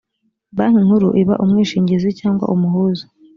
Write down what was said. banki nkuru iba umwishingizi cyangwa umuhuza